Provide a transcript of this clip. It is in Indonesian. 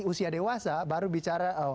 usia dewasa baru bicara